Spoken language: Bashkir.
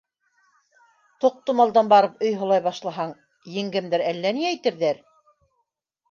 Тоҡтомалдан барып өй һылай башлаһаң, еңгәмдәр әллә ни әйтерҙәр.